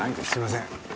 すいません。